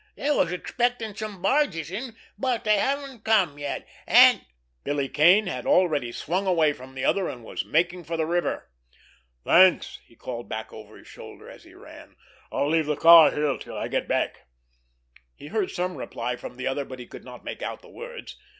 They was expecting some barges in, but they haven't come yet, and——" Billy Kane had already swung away from the other, and was making for the river. "Thanks!" he called out over his shoulder, as he ran. "I'll leave the car here till I get back." He heard some reply from the other, but he could not make out the words.